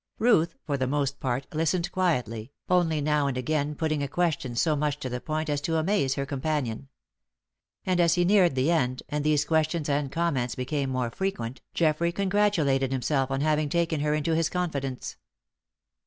Ruth, for the most part, listened quietly, only now and again putting a question so much to the point as to amaze her companion. And as he neared the end, and these questions and comments became more frequent, Geoffrey congratulated himself on having taken her into his confidence.